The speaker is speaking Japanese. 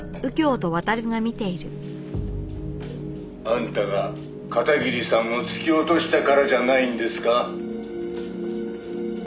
「あんたが片桐さんを突き落としたからじゃないんですか？」